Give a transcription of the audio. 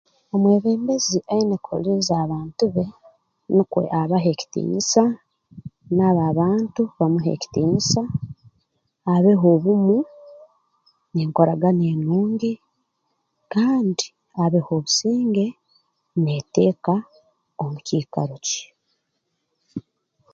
Omwebembezi aine kuhuliiriza abantu be nukwe abahe ekitiinisa nabo abantu bamuhe ekitiinisa abeho obumu n'enkuragana enungi kandi abeho obusinge n'eteeka omu kiikaro kye